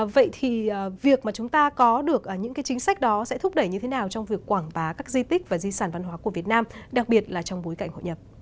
vậy thì việc mà chúng ta có được những cái chính sách đó sẽ thúc đẩy như thế nào trong việc quảng bá các di tích và di sản văn hóa của việt nam đặc biệt là trong bối cảnh hội nhập